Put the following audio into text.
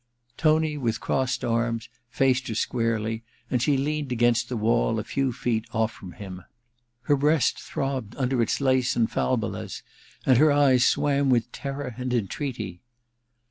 Tony, with crossed arms, faced her squarely, and she leaned against the wall a few feet off from him. Her breast throbbed under its lace 342 A VENETIAN NIGHT'S iii and falbalas, and her eyes swam with terror and entreaty.